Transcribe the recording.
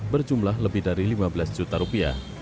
berjumlah lebih dari lima belas juta rupiah